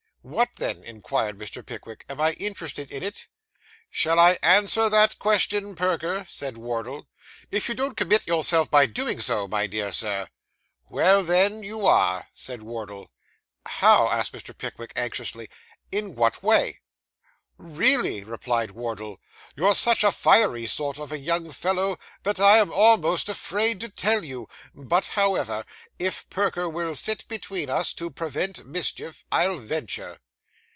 'What then?' inquired Mr. Pickwick; 'am I interested in it?' 'Shall I answer that question, Perker?' said Wardle. 'If you don't commit yourself by doing so, my dear Sir.' 'Well then, you are,' said Wardle. 'How?' asked Mr. Pickwick anxiously. 'In what way?' 'Really,' replied Wardle, 'you're such a fiery sort of a young fellow that I am almost afraid to tell you; but, however, if Perker will sit between us to prevent mischief, I'll venture.